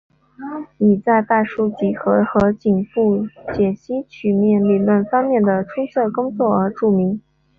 以在代数几何和紧复解析曲面理论方面的出色工作而著名。